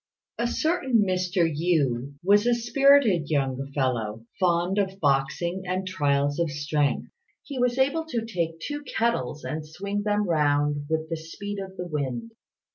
A certain Mr. Yü was a spirited young fellow, fond of boxing and trials of strength. He was able to take two kettles and swing them round about with the speed of the wind.